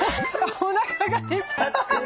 おなかが出ちゃってる。